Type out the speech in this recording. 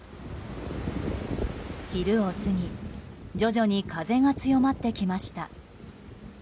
昼を過ぎ徐々に風が強まってきました。